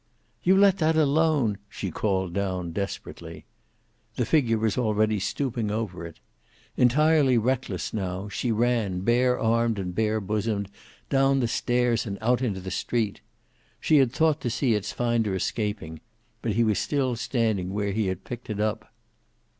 "You let that alone," she called down desperately. The figure was already stooping over it. Entirely reckless now, she ran, bare armed and bare bosomed, down the stairs and out into the street. She had thought to see its finder escaping, but he was still standing where he had picked it up.